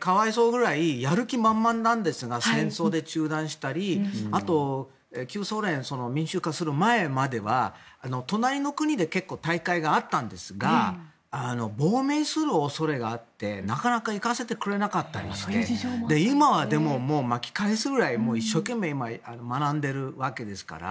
可哀想なぐらいやる気満々なんですが戦争で中断したりあとは旧ソ連民主化する前までは隣の国で結構大会があったんですが亡命する恐れがあってなかなか行かせてくれなくて今は、でも巻き返すくらい一生懸命学んでいるわけですから。